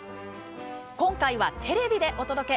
今回はテレビで、お届け。